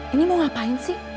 ini mau ngapain sih